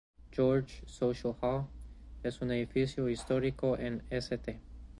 George Social Hall", es un edificio histórico en St.